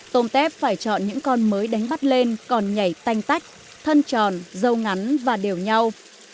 tôm tép phải chọn những con mới đánh bắt lên còn nhảy tanh tách thân tròn dâu ngắn và đều nhau